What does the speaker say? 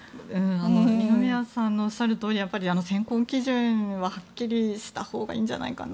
二宮さんのおっしゃるとおり選考基準ははっきりしたほうがいいんじゃないかな。